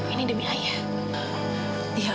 ini demi ayah